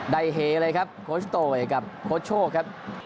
ได้เฮเลยครับโคชโตยกับโค้ชโชคครับ